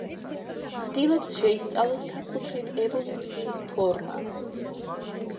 ცდილობს შეისწავლოს საკუთრივ ევოლუციის ფორმა.